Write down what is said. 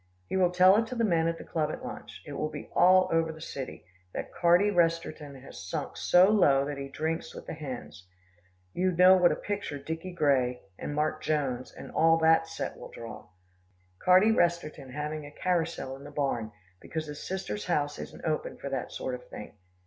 He will tell it to the men at the club at lunch. It will be all over the city, that Carty Resterton has sunk so low, that he drinks with the hens. You know what a picture Dicky Grey, and Mark Jones and all that set will draw Carty Resterton having a carousal in the barn, because his sister's house isn't open for that sort of thing.